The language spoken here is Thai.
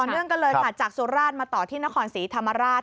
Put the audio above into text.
เนื่องกันเลยค่ะจากสุราชมาต่อที่นครศรีธรรมราช